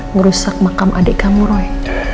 ngerusak makam adik kamu roy